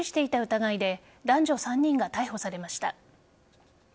疑いで男女３人が逮捕されました。